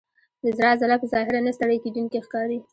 د زړه عضله په ظاهره نه ستړی کېدونکې ښکاري.